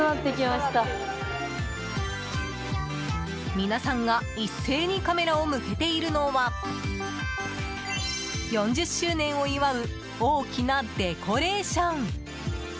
皆さんが一斉にカメラを向けているのは４０周年を祝う大きなデコレーション。